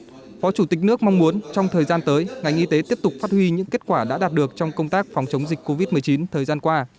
phó chủ tịch nước mong muốn trong thời gian tới ngành y tế tiếp tục phát huy những kết quả đã đạt được trong công tác phòng chống dịch covid một mươi chín thời gian qua